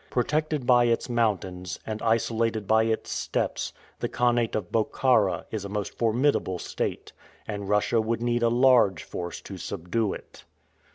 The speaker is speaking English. Protected by its mountains, and isolated by its steppes, the khanat of Bokhara is a most formidable state; and Russia would need a large force to subdue it.